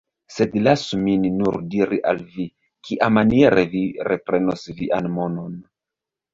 Sed lasu min nur diri al vi, kiamaniere vi reprenos vian monon.